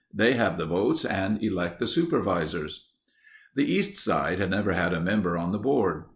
They have the votes and elect the supervisors." The east side had never had a member on the board.